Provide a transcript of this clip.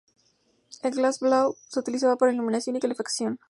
El gas blau se utilizaba para iluminación y calefacción.